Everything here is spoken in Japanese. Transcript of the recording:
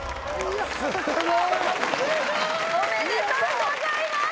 やった！おめでとうございます！